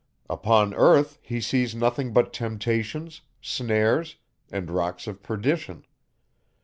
Upon earth, he sees nothing but temptations, snares, and rocks of perdition.